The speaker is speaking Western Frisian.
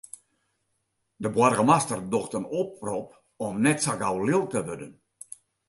De boargemaster docht in oprop om net sa gau lilk te wurden.